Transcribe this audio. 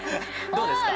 どうですか？